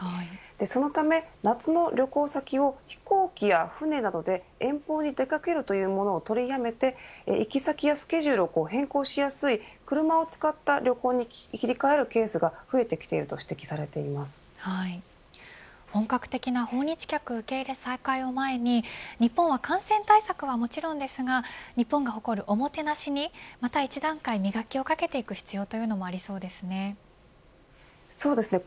そのため夏の旅行先を飛行機や船などで遠方へ出掛けるというもの取りやめて行き先やスケジュールを変更しやすい車を使った旅行に切り替えるケースが増えてきていると本格的な訪日客受け入れ再開を前に日本は感染対策はもちろんですが日本が誇るおもてなしにまた一段階、磨きをかける必要がありそうですね。